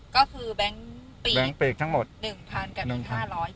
ก็คือแบงก์ปีกแบงก์ปีกทั้งหมดหนึ่งพันกับหนึ่งห้าร้อยจ้ะ